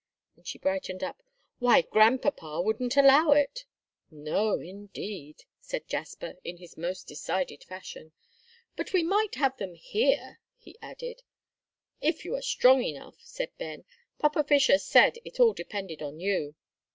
and she brightened up. "Why, Grandpapa wouldn't allow it." "No, indeed," said Jasper, in his most decided fashion, "but we might have them here," he added. "If you are strong enough," said Ben. "Papa Fisher said it all depended on you."